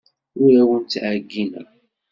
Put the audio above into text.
Ur awent-ttɛeyyineɣ.